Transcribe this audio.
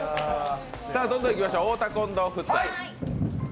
どんどんいきましょう太田・近藤夫妻。